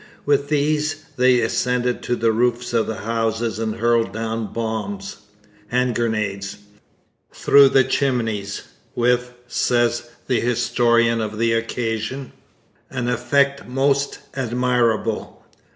With these they ascended to the roofs of the houses and hurled down bombs hand grenades through the chimneys, 'with,' says the historian of the occasion, 'an effect most admirable.'